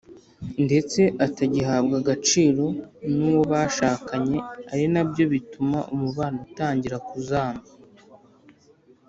ndetse atagihabwa agaciro nuwo bashakanye ari nabyo bituma umubano utangira kuzamba.